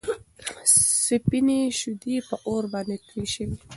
سپينې شيدې په اور باندې توی شوې.